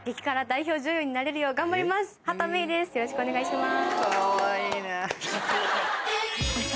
さらによろしくお願いします。